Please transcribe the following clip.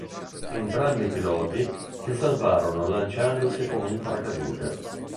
Entrambi i piloti si salvarono lanciandosi con il paracadute.